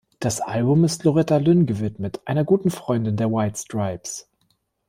Das Album ist Loretta Lynn gewidmet, einer „guten Freundin“ der White Stripes.